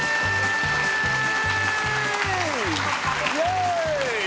イエーイ！